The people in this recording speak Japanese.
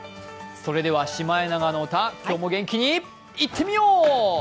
それでは「シマエナガの歌」今日も元気にいってみよう！